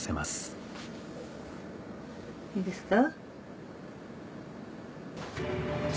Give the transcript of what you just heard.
いいですか？